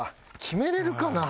決めれるかな？